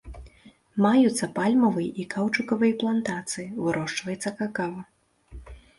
Маюцца пальмавыя і каўчукавыя плантацыі, вырошчваецца какава.